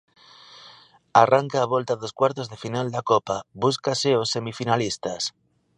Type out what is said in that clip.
Arranca a volta dos cuartos de final da Copa, búscase os semifinalistas.